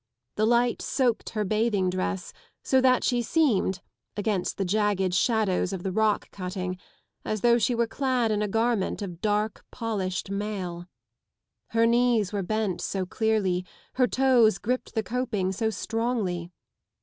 The light soaked her bathing dress so that she seemed, against the jagged shadows of the rock cutting, as though she were clad in a garment of dark polished mail. Her knees were bent so clearly, her toes gripped the coping so strongly.